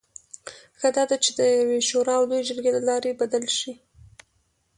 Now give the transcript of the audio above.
ښه دا ده چې د یوې شورا او لویې جرګې له لارې بدل شي.